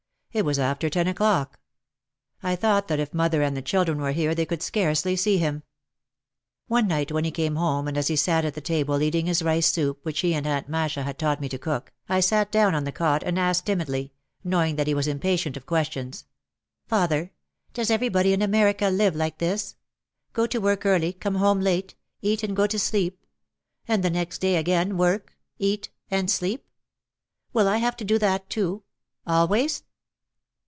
It was after ten o'clock. I thought that if mother and the children were here they would scarcely see him. One night when he came home and as he sat at the table eating his rice soup, which he and Aunt Masha had taught me to cook, I sat down on the cot and asked timid ly, knowing that he was impatient of questions, "Father, does everybody in America live like this? Go to work early, come home late, eat and go to sleep? And the next day again work, eat, and sleep? Will I have to do that too? Always?"